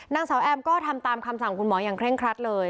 นางสาวแอมก็ทำตามคำสั่งคุณหมออย่างเร่งครัดเลย